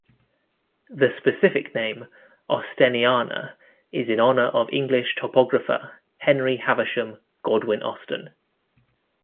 The specific name, "austeniana", is in honor of English topographer Henry Haversham Godwin-Austen.